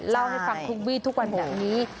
เล่าให้ฟังทุกวีทุกวันแบบนี้